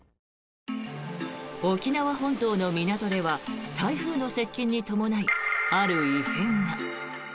沖縄本島の港では台風の接近に伴いある異変が。